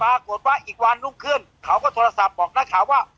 ปรากฏว่าอีกวันรุ่งขึ้นเขาก็โทรศัพท์บอกนักข่าวว่า